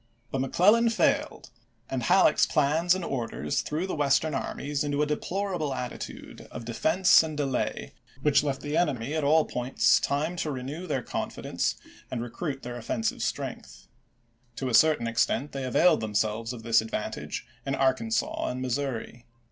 But McClellau failed, and Halleck's plans and orders threw the Western armies into a deplorable attitude of de fense and delay, which left the enemy at all points time to renew their confidence and recruit their 1862. offensive strength. To a certain extent they availed themselves of this advantage in Arkansas and Missouri.